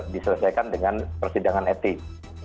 diselesaikan dengan persidangan etik